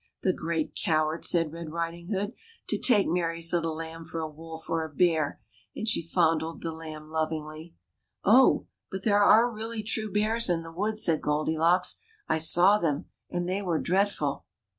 The great coward/' said Red Riding hood, to take Mary's Little Lamb for a wolf or a bear !" and she fondled the Lamb lovingly. Oh ! but there are really true bears in the wood/' said Goldilocks ; I saw them, and they were dreadful."